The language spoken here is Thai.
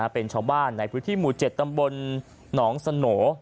เป็นชาวบ้านในพื้นที่หมู่๗ตำบลหนองสโหน